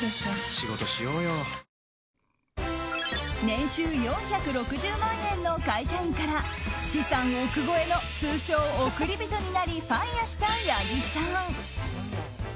年収４６０万円の会社員から資産億超えの通称、億り人になりＦＩＲＥした八木さん。